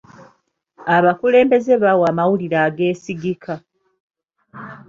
Abakulembeze bawa amawulire ageesigika.